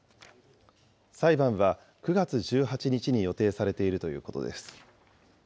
裁判は９月１８日に予定されているということです。